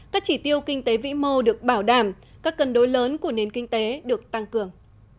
các chỉ tiêu kinh tế vĩ mô được bảo đảm các cân đối lớn của nền kinh tế được tăng cường